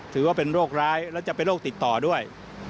ถือว่าเป็นโรคร้ายและจะเป็นโรคติดต่อด้วย